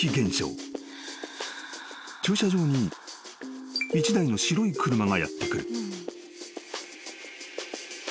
［駐車場に１台の白い車がやって来る］